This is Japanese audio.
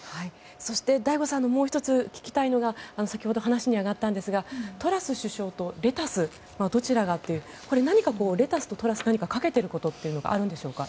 そして、醍醐さんにもう１つ聞きたいんですが先ほど話に上がったんですがトラス首相とレタスどちらがというレタスとトラス何かかけているところがあるのでしょうか。